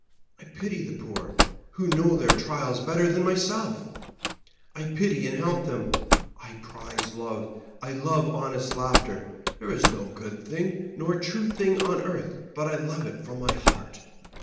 I pity the poor; who knows their trials better than myself ? I pity and help them ; I prize love, I love honest laughter ; there is no good thing nor true thing on earth but I love it from my heart.